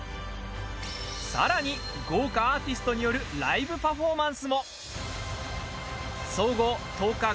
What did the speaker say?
さらに、豪華アーティストによるライブパフォーマンスも。